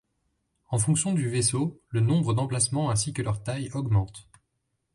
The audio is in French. En fonction du vaisseau, le nombre d'emplacements ainsi que leur taille augmente.